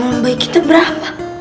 amal baik kita berapa